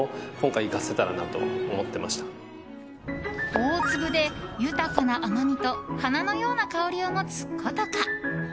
大粒で、豊かな甘みと花のような香りを持つ古都華。